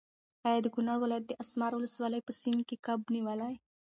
ایا د کونړ ولایت د اسمار ولسوالۍ په سیند کې کب نیولی؟